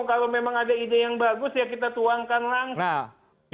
kalau memang ada ide yang bagus ya kita tuangkan langsung